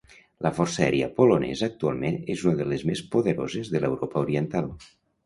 La Força Aèria Polonesa actualment és una de les més poderoses de l'Europa Oriental.